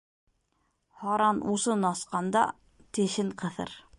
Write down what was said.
Һаран усын асҡанда тешен ҡыҫыр.